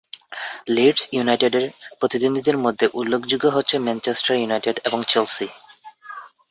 Leeds ইউনাইটেডের প্রতিদ্বন্দ্বীদের মধ্যে উল্লেখযোগ্য হচ্ছে ম্যানচেস্টার ইউনাইটেড এবং চেলসি।